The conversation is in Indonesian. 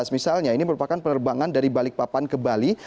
dua ribu empat belas misalnya ini merupakan penerbangan dari balikpapan ke bali